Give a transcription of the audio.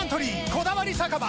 「こだわり酒場